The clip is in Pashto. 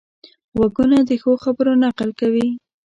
غوږونه د ښو خبرو نقل کوي